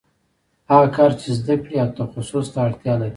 هغه کار چې زده کړې او تخصص ته اړتیا لري